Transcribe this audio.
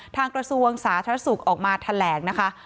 ทางกระทรวงศาสตร์ทรัศุกริย์ออกมาแถลงนะคะ